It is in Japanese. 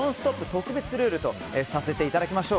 特別ルールとさせていただきましょう。